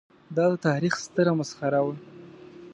دا د تاریخ ستره مسخره وه.